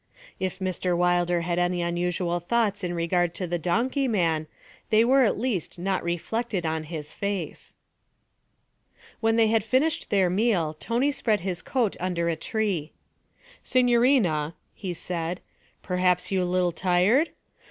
If Mr. Wilder had any unusual thoughts in regard to the donkey man, they were at least not reflected in his face. When they had finished their meal Tony spread his coat under a tree. 'Signorina,' he said, 'perhaps you li'l' tired?